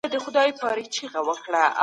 که ته ښه عمل وکړې، ستاينه به وسي.